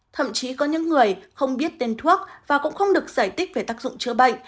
thậm chí có những người không biết tên thuốc và cũng không được giải thích về tác dụng chữa bệnh